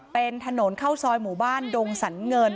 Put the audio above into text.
เป็นถนนเข้าซอยหมู่บ้านดงสรรเงิน